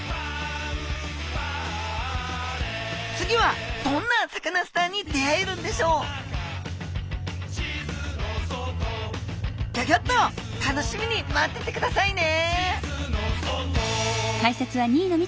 次はどんなサカナスターに出会えるんでしょうギョギョッと楽しみに待っててくださいね！